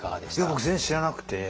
僕全然知らなくて。